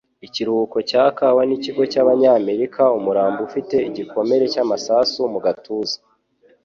Ikiruhuko cya kawa nikigo cyabanyamerikaUmurambo ufite igikomere cy'amasasu mu gatuza.